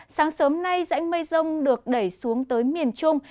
sáng sớm nay rãnh mây rông được đẩy xuống tới miền trung